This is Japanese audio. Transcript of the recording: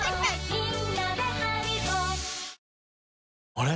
あれ？